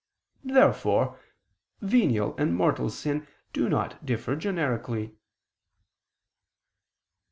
Therefore venial and mortal sin do not differ generically.